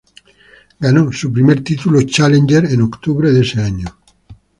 Ganó su primer título challenger en octubre de ese año.